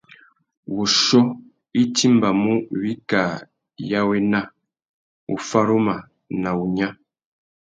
Wuchiô i timbamú wikā ya wena, wuffaruma na wunya.